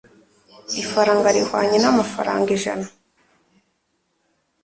Ifaranga rihwanye n'amafaranga ijana.